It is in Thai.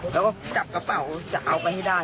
แล้วก็จับกระเป๋าจะเอาไปให้ได้